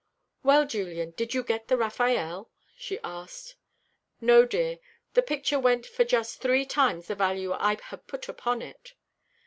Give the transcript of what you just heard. "Well, Julian, did you get the Raffaelle?" she asked. "No, dear. The picture went for just three times the value I had put upon it."